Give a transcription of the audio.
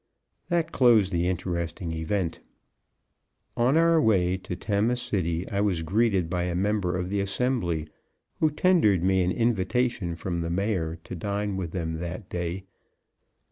That closed the interesting event. On our way to Tama City I was greeted by a member of assembly, who tendered me an invitation from the Mayor to dine with them that day.